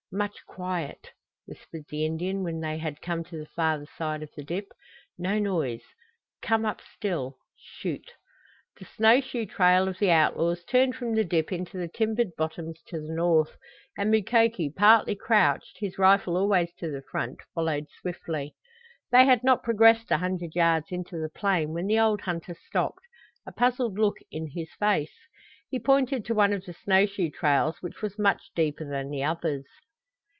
"Much quiet," whispered the Indian when they had come to the farther side of the dip. "No noise come up still shoot!" The snow shoe trail of the outlaws turned from the dip into the timbered bottoms to the north, and Mukoki, partly crouched, his rifle always to the front, followed swiftly. They had not progressed a hundred yards into the plain when the old hunter stopped, a puzzled look in his face. He pointed to one of the snow shoe trails which was much deeper than the others.